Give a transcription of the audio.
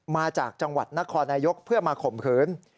มาจากจังหวัดนครนายกเพื่อมาข่มขืน